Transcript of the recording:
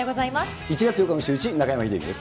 １月８日のシューイチ、中山秀征です。